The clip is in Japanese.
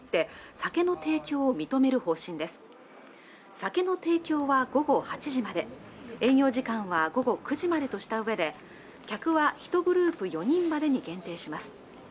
酒の提供は午後８時まで営業時間は午後９時までとした上で客は１グループ４人までに限定します